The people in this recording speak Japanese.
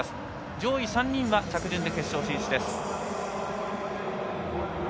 上位３人は着順で決勝進出です。